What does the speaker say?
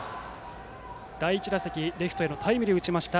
第１打席はレフトへのヒットを打ちました